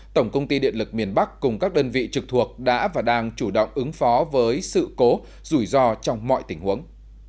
tổng công ty điện lực miền bắc cùng các đơn vị trực thuộc đã và đang chủ động ứng phó với sự cố rủi ro trong mọi tình huống